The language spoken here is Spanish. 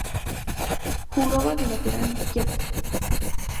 Jugaba de lateral izquierdo.